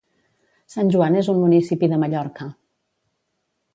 Sant Joan és un municipi de Mallorca.